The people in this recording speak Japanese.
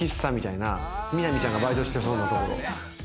南ちゃんがバイトしてそうなところ。